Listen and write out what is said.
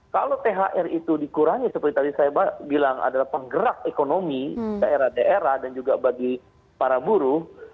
kalau thr itu dikurangi seperti tadi saya bilang adalah penggerak ekonomi daerah daerah dan juga bagi para buruh